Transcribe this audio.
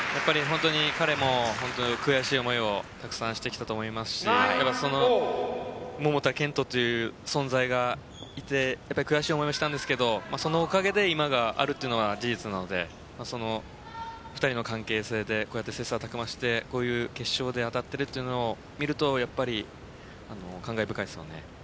彼も悔しい思いをたくさんしてきたと思いますし桃田賢斗という存在がいて悔しい思いもしたんですけどそのおかげで今があるというのは事実なのでその２人の関係性でこうやって切磋琢磨してこういう決勝で当たっているというのを見ると感慨深いですよね。